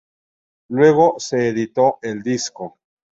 Luego se editó el disco.